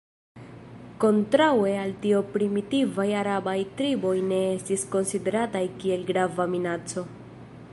Kontraŭe al tio primitivaj arabaj triboj ne estis konsiderataj kiel grava minaco.